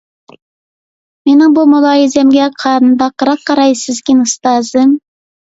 مېنىڭ بۇ مۇلاھىزەمگە قانداقراق قارايسىزكىن، ئۇستازىم؟